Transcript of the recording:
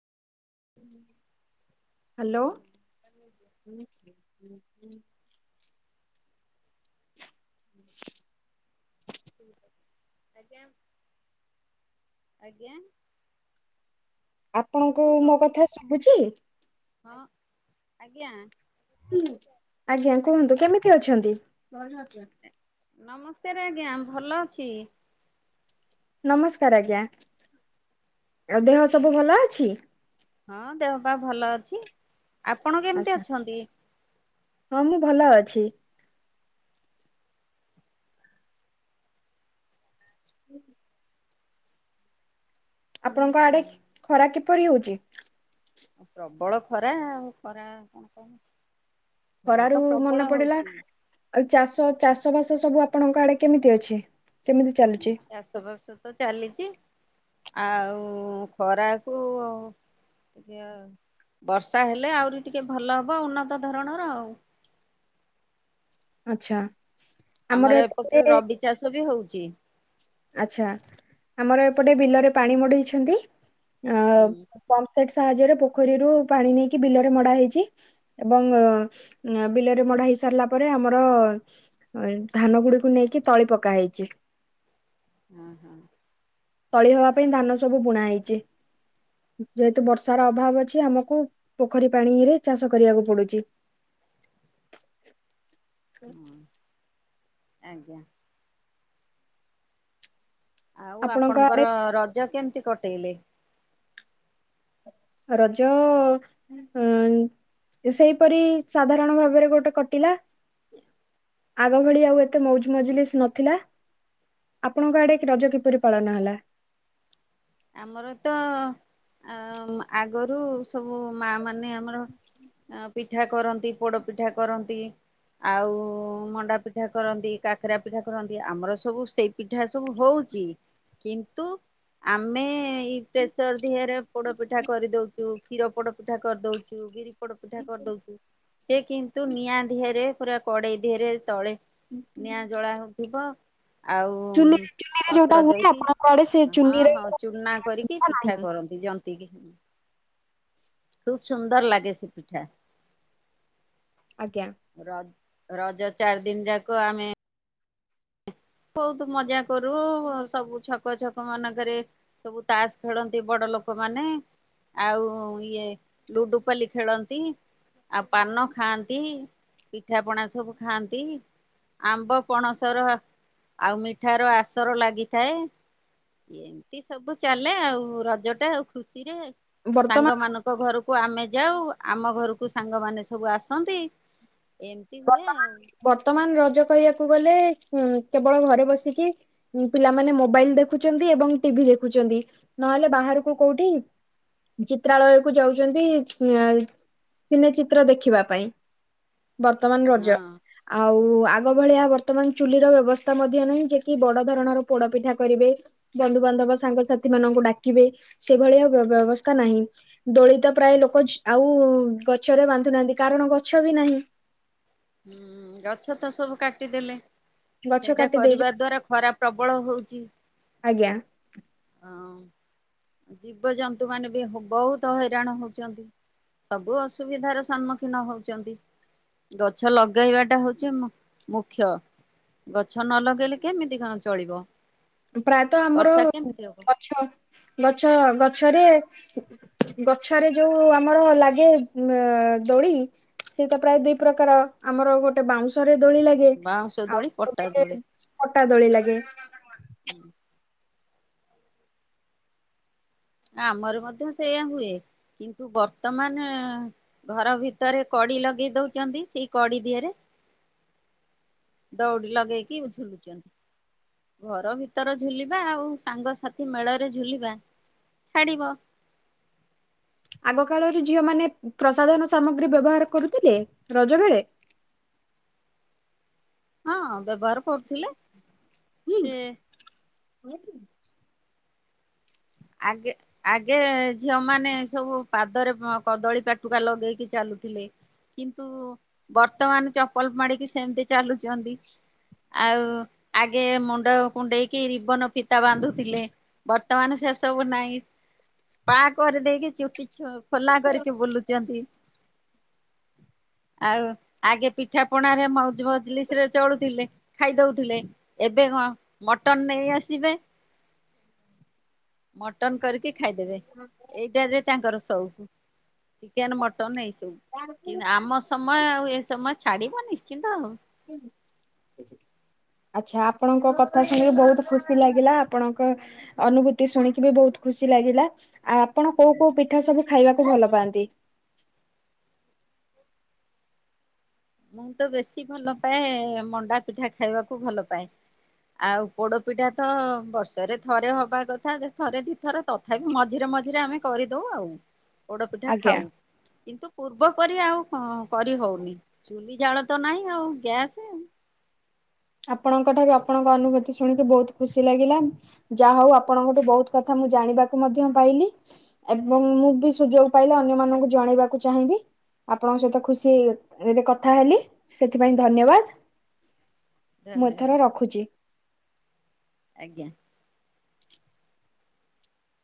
[inaudible] Hello [inaudible] ଆଜ୍ଞା। ଆଜ୍ଞା। ଆପଣଙ୍କୁ କୁହନ୍ତୁ ମୋ କଥା ଶୁଭୁଛି? ହଁ ଆଜ୍ଞା। ହୁଁ ଆଜ୍ଞା କୁହନ୍ତୁ କେମିତି ଅଛନ୍ତି? ନମସ୍କାର ଆଜ୍ଞା, ଭଲ ଅଛି। ନମସ୍କାର ଆଜ୍ଞା, ଆଉ ଦେହ ସବୁ ଭଲ ଅଛି? ହଁ ଦେହ ପା ଭଲ ଅଛି ଆପଣ କେମିତି ଆଚ୍ଛା ଅଛନ୍ତି? ହଁ ମୁଁ ଭଲ ଅଛି। ହୁଁ ଆପଣଙ୍କ ଆଡେ ଖରା କିପରି ହଉଛି ଆ ପ୍ରବଳ ଖରା, ଆଉ ଖରା କଣ କହୁଛି। ଖରା ତ ଖରାରୁ ପ୍ରବଳ ମନେ ପଡିଲା ହଉଛି। ଆଉ ଚାଷ, ଚାଷ ବାସ ସବୁ ଆପଣଙ୍କ ଆଡେ କେମିତି ଅଛି? କେମିତି ଚାଲୁଛି? ଚାଷ ବାଷ ତ ଚାଲିଛି ଆଉ ଖରାକୁ। ଟିକେ ବର୍ଷା ହେଲେ ଆହୁରି ଟିକେ ଭଲ ହବ ଉନ୍ନତ ଧରଣର ଆଉ। ଆଛା। ଆମର ଏପଟରେ ରବି ଚାଷ ବି ହଉଛି। ଆଛା ଆମର ଏପଟେ ବିଲରେ ପାଣି ମଡେଇଛନ୍ତି। ହୁଁ ପମ୍ପ ସେଟ ସାହାରେ ପୋଖରୀରୁ ପାଣି ନେଇକି ବିଲରେ ମଡା ହେଇଛି ଏବଂ ବିଲରେ ମାଡ଼ା ହେ ସାରିଲା ପରେ ଆମର ଧାନ ଗୁଡିକୁ ନେଇକି ତଳି ପକା ହେଇଛି। ହୁଁ ହୁଁ। ତଳି ହବା ପାଇଁ ଧାନ ସବୁ ବୁଣା ହେଇଛି। ଯେହେତୁ ବର୍ଷାର ଅଭାବ ଅଛି ଆମକୁ ପୋଖରୀ ପାଣି ରେ ଚାଷ କରିବାକୁ ପଡୁଛି। ହୁଁ। ହଁ ଆଜ୍ଞା। ଆଉ ଆପଣଙ୍କ ଆଡେ ଆପଣଙ୍କର ରଜ କେମିତି କଟେଇଲେ। ରଜ ଏଁ ଏଁ ସେଇପରି ସାଧାରଣ ଭାବରେ ଗୋଟେ କଟିଲା। ଆଗ ଭଳି ଆଉ ଏତେ ମଉଜ ମଜଲିସ୍ ନଥିଲା। ଆପଣଙ୍କ ଆଡେ ରଜ କିପରି ପାଳନ ହେଲା। ଆମର ତ ଅ ଆଗରୁ ସବୁ ମା ମାନେ। ମାନେ ଆମର ପିଠା କରନ୍ତି ପୋଡ ପିଠା କରନ୍ତି। ଆଉ ମଣ୍ଡା ପିଠା କରନ୍ତି କାକରା ପିଠା କରନ୍ତି ଆମର ସବୁ ସେଇ ପିଠା ସବୁ ହଉ। ଚି କିନ୍ତୁ। ଆମେ ଏଇ ପ୍ରେସର ଦିହରେ ପୋଡ଼ପିଠା କରିଦେଉଛୁ। କ୍ଷୀର ପୋଡ ପିଠା କରିଦଉଛୁ ବିିରି ପୋଡ ପିଠା କରିଦଉଛୁ ସେ କିନ୍ତୁ ନିଆଁ ଦିହରେ। ପୁରା କଡେଇ ଦେହରେ ତଳେ ନିଆଁ ଜଳା ହଉଥିବ। ଆଉ ଚୁ ଚୁିରେ ପତ୍ର ଯୋଉଟା ହୁଏ ଦେଇକି ଆପଣଙ୍କଡ ସେ ଚୁ ହଁ ହଁ ଚୁନା କରିକି ପିଠା କରନ୍ତି ଜନ୍ତି କିି। ଖୁବ ସୁନ୍ଦର ଲାଗେ ସେ ପିଠା। ଆଜ୍ଞା। ର ରଜ ଚାରି ଦିନ ଯାକ ଆମେ। ବହୁତ ମଜା କରୁ ସବୁ ଛକ ଛକ ମାନଙ୍କରେ ସବୁ ତାସ ଖେଳନ୍ତି ବଡ। ଲୋକମାନୋନ ଆଉ ଇଏ ଲୁଡୁପାଲି ଖେଳନ୍ତି। ଆଉ ପାନ ଖାଆନ୍ତି ପିଠା ପଣା ସବୁ ଖାଆନ୍ତି। ଆମ୍ବ ପଣସର ଆଉ ମିଠାର ଆସର ଲାଗିଥାଏ। ଏମିତି ସବୁ ଚାଲେ ଆଉ ରଜ ଟା ଆଉ ଖୁସିରେ। ସାଙ୍ଗ ବର୍ତ୍ତମାନ ମାନଙ୍କ ଘରକୁ ଆମେ ଯାଉ। ଆମ ଘରକୁ ସାଙ୍ଗମାନେ ସବୁ ଆସନ୍ତି। ଏମିତି ହୁଏ ଆଉ ବର୍ତ୍ତମାନ ବର୍ତ୍ତମାନ ରଜ କହିବାକୁ ଗଲେ କେବଳ ଘରେ ବସିକି ପିଲାମାନେ ମୋବାଇଲ ଦେଖୁଛନ୍ତି ଏବଂ ଟିଭି। ଦେଖୁଛନ୍ତି ନହେଲେ ବାହାରକୁ କୋଉଠି ଚିତ୍ରାଳୟ କୁ ଯାଉଛନ୍ତି ଅ ସିନେଚିତ୍ର ଦେଖିବା ପାଇଁ ବର୍ତ୍ତମାନ ହଁ ରଜ ଆଉ ଆଗ ଭଳିଆ ବର୍ତ୍ତମାନ ଚୁଲିର ବ୍ୟବସ୍ଥା ମଧ୍ୟ ନାହିଁ ଯେ କି ବଡ଼ ଧରଣର ପୋଡ଼ ପିଠା କରିବେ ବନ୍ଧୁ ବ ସାଙ୍ଗସାଥି ମାନଙ୍କୁ ଡାକିବେ ସେଭଳିଆ ବ୍ୟବସ୍ଥା ନାହିଁ ଦଳିତ ପ୍ରାୟ ଲୋକ ଆଉ ଗଛରେ ବାନ୍ଧୁନାହାନ୍ତି କାରଣ ଗଛ ବି ନାହିଁ। ହୁଁ ଗଛ ତ ସବୁ କାଟିଦେଲେ ଗଛ ସେଇଟା କାଟି କରିବା ଦେଇଛନ୍ତି ଦ୍ଵାରା ଖରାପ ପ୍ରବଳ ହଉଛି। ଆଜ୍ଞା। ହଁ ଜୀବଜନ୍ତୁ ମାନେ ବି ବହୁତ ହଇରାଣ ହଉଛନ୍ତି। ସବୁ ଅସୁବିଧାର ସମ୍ମୁଖୀନ ହଉଛନ୍ତି। ଗଛ ଲଗେଇବା ଟା ହଉଛି ମୁଁ ମୁଖ୍ୟ। ଗଛ ନ ଲଗେଇଲେ କେମିତି କଣ ଚଳିବ? ପ୍ରାୟତଃ ଆମର ବର୍ଷା କେମିତି ହବ? ଗଛ ଗଛ ଗଛରେ ଗଛରେ ଯୋଉ ଆମର ଲାଗେ ଅ ଦୋଳି ସେଏ ତ ପ୍ରାୟ ଦୁଇ ପ୍ରକାର ଆମର ଗୋଟେ ବାଉଁଶ ଦୋଳି ଲାଗେ ବାଉଁଶ ଆଉ ଦୋଳି ପଟା ଦୋଳି। ପଟା ଦୋଳି ଲାଗେ। ହୁଁ। ଆମର ମଧ୍ୟ ସେଇୟା ହୁଏ କିନ୍ତୁ ବର୍ତ୍ତମାନ ଘର ଭିତରେ କର କଡି ଲଗେଇ ଦଉଛନ୍ତି ସେଇ କଡି ଦିଅରେ ଦଉଡି ଲଗେଇକି ଝୁଲୁଛନ୍ତି। ଘର ଭିତର ଝୁଲିବା ଆଉ ସାଙ୍ଗସାଥି ମେଳରେ ଝୁଲିବା ଛାଡ଼ିବ। ଆଗ କାଳରେ ଝିଅ ମାନେ ପ୍ରସାଧନ ସାମଗ୍ରୀ ବ୍ୟବହାର କରୁଥିଲେ ରଜ ବେଳେ ହଁ ବ୍ୟବହାର କରୁଥିଲେ। ହୁଁ ସିଏ [inaudible] ଆଗେ ଆଗେ ଝିଅ ମାନେ ସବୁ ପାଦରେ କଦଳୀ ପାଟୁକା ଲଗେଇକି ଚାଲୁ ଥିଲେ କିନ୍ତୁ ବର୍ତ୍ତମାନ ଚପଲ ମାଡିକି ସେମିତି ଚାଲୁଛନ୍ତି। ଆଉ ଆଗେ ମୁଣ୍ଡ କୁଣ୍ଡେଇକି ରିବନ ଫିତା ବାନ୍ଧୁଥିଲେ ବର୍ତ୍ତମାନ ସେ ସବୁ ନାଇଁ ସ୍ପା କରିଦେଇକି ଚୁଟି ଖୋଲା କରିକି ବୁଲୁଛନ୍ତି। ଆଉ ଆଗେ ପିଠା ପଣା ରେ ମଉଜ ମଜଲିସ ରେ ଚଳୁଥିଲେ ଖାଇ ଦଉଥିଲେ ଏବେ ହଁ ମଟନ ନେଇ ଆସିବେ। ମଟନ କରିକି ଖାଇଦେବେ ଏଇଟରେ ତାଙ୍କର ସଉକୁ। ଚିକେନ ମଟନ ଏଇ ସବୁ କି ଆମ ସମୟ ଆଉ ଏ ସମୟ ଛାଡିବ ନିଶ୍ଚିନ୍ତ ଆଉ। ହୁଁ [unintelligible] [inaudible] ଆଚ୍ଛା ଆପଣଙ୍କ କଥା ଶୁଣିକି ବହୁତ ଖୁସି ଲାଗିଲା ଆପଣଙ୍କ ଅନୁଭୂତି ଶୁଣିକି ବି ବହୁତ ଖୁସି ଚି ଲାଗିଲା ଆଉ ଆପଣ କୋଉ କୋଉ ପିଠା ସବୁ ଖାଇବାକୁ ଭଲ ପାଆନ୍ତି? ମୁଁ ତ ବେଶୀ ଭଲ ପାଏ ମଣ୍ଡା ପିଠା ଖାଇବାକୁ ଭଲ ପାଏ। ଆଉ ପୋଡପିଠା ତ ବର୍ଷରେ ଥରେ ହବା କଥା ଥରେ ଦି ଥରେ ତଥାପି ମଝିରେ ମ ମଝିରେ ଆମେ କରିଦଉ ଆଉ। ପୋଡ଼ ପିଠା ଆଜ୍ଞା ଖାଉ କିନ୍ତୁ ପୂର୍ବପରି ଆଉ କରି ହଉନି। ଚୁଲି ଜାଳ ତ ନହିଁ ଆଉ ଗ୍ୟାସ ଆପଣଙ୍କ ଠାରୁ ଆପଣଙ୍କ ଅନୁଭୂତି ଶୁଣିକି ବହୁତ ଖୁସି ଲାଗିଲା ଯାହା ହଉ ଆପଣଙ୍କଠୁ ବହୁତ କଥା ମୁଁ ଜାଣିବାକୁ ମଧ୍ୟ ପାଇଲି ଏବଂ ମୁଁ ବି ସୁଯୋଗ ପାଇଲି ଅନ୍ୟମାନଙ୍କୁ ଜଣେଇବାକୁ ଚାହିଁବି। ଆପଣଙ୍କ ସହିତ ଖୁସିହେରେ କଥା ହେଲି ସେଥିପାଇଁ ଧନ୍ୟବାଦ। ମୁଁ ଧନ୍ୟବାଦ ଏଥର ରଖୁଛି। ଆଜ୍ଞା।